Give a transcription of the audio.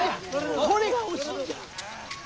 これが欲しいんじゃ！